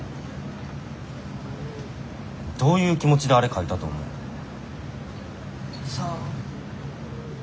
どういう気持ちであれ書いたと思う？さあ。